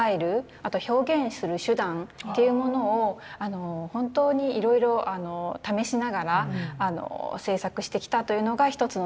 あとは表現する手段というものを本当にいろいろ試しながら制作してきたというのが一つの特徴なんですね。